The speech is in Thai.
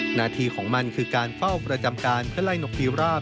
หน้าที่ของมันคือการเฝ้าประจำการเพื่อไล่นกพิราบ